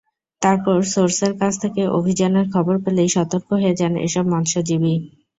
তারপর সোর্সের কাছ থেকে অভিযানের খবর পেলেই সতর্ক হয়ে যান এসব মৎস্যজীবী।